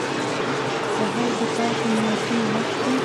سهار د پاکو نیتونو وخت دی.